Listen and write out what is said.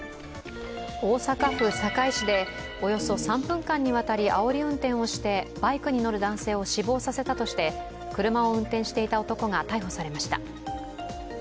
大阪府堺市でおよそ３分間にわたり、あおり運転をしてバイクに乗る男性を死亡させたとして車を運転していた男が逮捕されました。